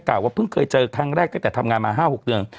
ว่าเพิ่งเคยเจอครั้งแรกตั้งแต่ทำงานมา๕๖เดือน